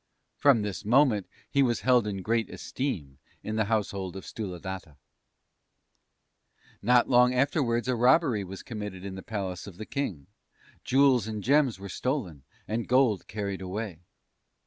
"From this moment he was held in great esteem in the household of Sthuladatta. "Not long afterwards a robbery was committed in the Palace of the King; jewels and gems were stolen, and gold carried away.